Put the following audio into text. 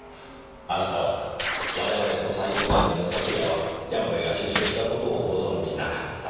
あなたは我々と最初に会った昨夜は山部が出所したことをご存じなかった。